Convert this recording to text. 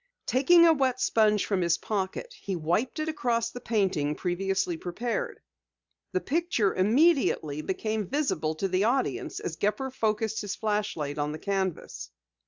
Taking a wet sponge from his pocket he wiped it across the painting previously prepared. The picture immediately became visible to the audience as Gepper focused his flashlight on the canvas.